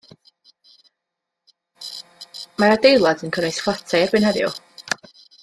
Mae'r adeilad yn cynnwys fflatiau erbyn heddiw.